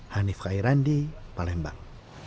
hanif kairandi palembang